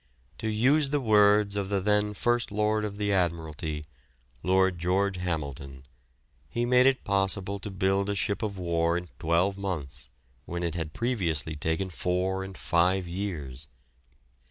To use the words of the then First Lord of the Admiralty Lord George Hamilton he made it possible to build a ship of war in twelve months when it had previously taken four and five years.